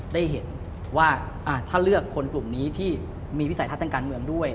ได้เห็นว่าถ้าเลือกคนกลุ่มนี้ที่มีวิสัยทัศน์ทางการเมืองด้วย